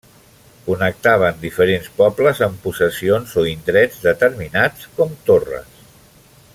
Connectaven diferents pobles amb possessions o indrets determinats com torres.